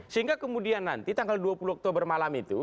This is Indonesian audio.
sehingga kemudian nanti tanggal dua puluh oktober malam itu